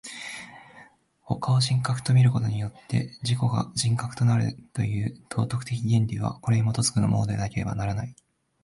他を人格と見ることによって自己が人格となるという道徳的原理は、これに基づくものでなければならない。